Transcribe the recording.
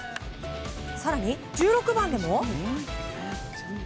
更に、１６番でも。